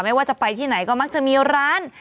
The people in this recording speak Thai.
ไม่ว่าจะไปที่ไหนก็มักจะมีร้าน